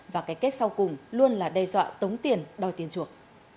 và cái kết sau cùng luôn là đe dọa tống tiền đòi tiền chuộc